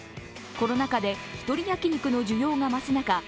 コロナ禍で一人焼肉の需要が増す中